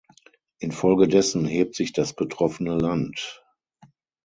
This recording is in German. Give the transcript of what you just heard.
Infolgedessen hebt sich das betroffene Land.